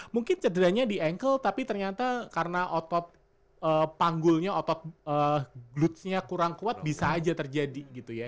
mungkin cederanya di engkel tapi ternyata karena otot panggulnya otot glutsnya kurang kuat bisa aja terjadi gitu ya